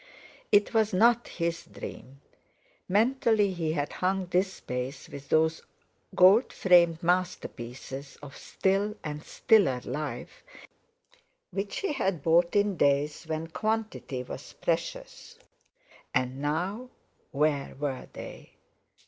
It was not his dream! Mentally he had hung this space with those gold framed masterpieces of still and stiller life which he had bought in days when quantity was precious. And now where were they?